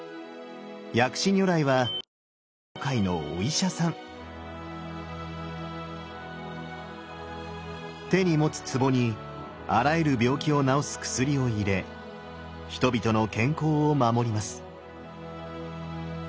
薬師如来は手に持つ壺にあらゆる病気を治す薬を入れ人々の健康を守ります。